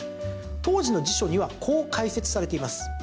当時の辞書にはこう解説されています。